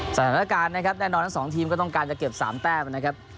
สถานการณ์นะครับแน่นอนทั้งสองทีมก็ต้องการจะเก็บ๓แต้มนะครับ